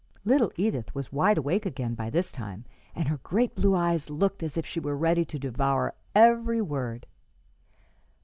Little Edith was wide awake again by this time, and her great blue eyes looked as if she were ready to devour every word.